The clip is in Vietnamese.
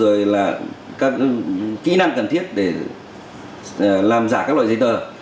rồi là các kỹ năng cần thiết để làm giả các loại giấy tờ